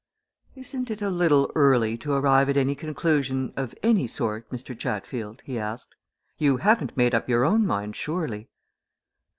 "Isn't it a little early to arrive at any conclusion, of any sort, Mr. Chatfield?" he asked. "You haven't made up your own mind, surely?"